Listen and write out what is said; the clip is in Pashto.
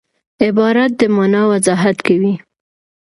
عبارت د مانا وضاحت کوي.